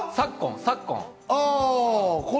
昨今。